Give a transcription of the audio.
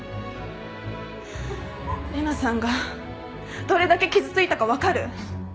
玲奈さんがどれだけ傷ついたか分かる？